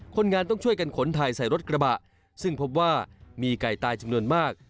คนงานต้องช่วยกันขนถ่ายใส่รถกระบะซึ่งพบว่ามีไก่ตายจำนวนมาก